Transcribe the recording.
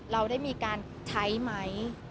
เราได้มีการใช้ไหม